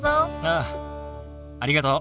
ああありがとう。